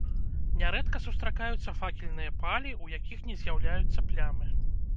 Нярэдка сустракаюцца факельныя палі, у якіх не з'яўляюцца плямы.